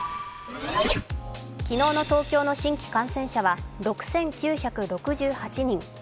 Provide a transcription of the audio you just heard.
昨日の東京の新規感染者は６９６８人。